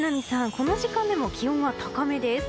この時間でも気温は高めです。